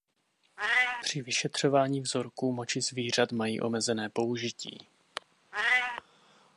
Při vyšetřování vzorků moči zvířat mají omezené použití.